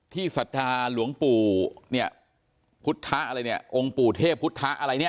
ศรัทธาหลวงปู่เนี่ยพุทธะอะไรเนี่ยองค์ปู่เทพพุทธะอะไรเนี่ย